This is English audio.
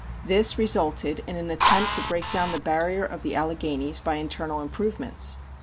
This resulted in an attempt to break down the barrier of the Alleghanies by internal improvements.